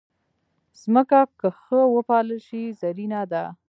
مځکه که ښه وپالل شي، زرینه ده.